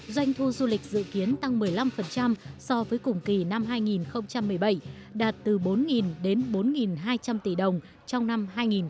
doanh thu du lịch dự kiến tăng một mươi năm so với cùng kỳ năm hai nghìn một mươi bảy đạt từ bốn đến bốn hai trăm linh tỷ đồng trong năm hai nghìn một mươi tám